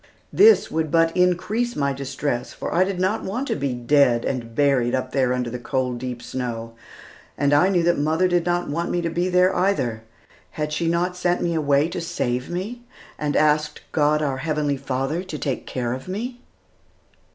This would but increase my distress, for I did not want to be dead and buried up there under the cold, deep snow, and I knew that mother did not want me to be there either. Had she not sent me away to save me, and asked God, our Heavenly Father, to take care of me?